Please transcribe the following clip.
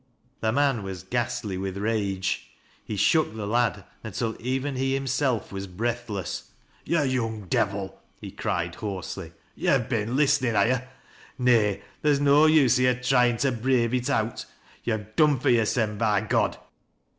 The man was ghastly with rage. He shook the lad until even he himself was breath ■ less. "To' young devil!" he cried, hoarsely, "yo've been listenin', ha' yo' ? Nay, theer's no use o' yo' tryin' to brave it out. To've done for yorsen, by God